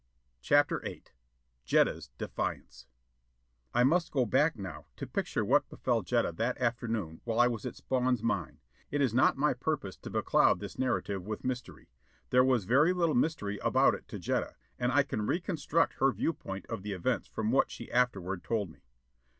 CHAPTER VIII Jetta's Defiance I must go back now to picture what befell Jetta that afternoon while I was at Spawn's mine. It is not my purpose to becloud this narrative with mystery. There was very little mystery about it to Jetta, and I can reconstruct her viewpoint of the events from what she afterward told me.